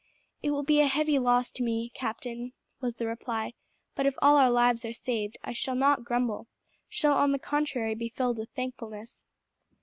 "It will be a heavy loss to me, captain," was the reply, "but if all our lives are saved I shall not grumble; shall on the contrary be filled with thankfulness."